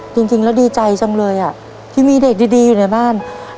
จริงแล้วดีใจจังเลยอ่ะที่มีเด็กดีอยู่ในบ้าน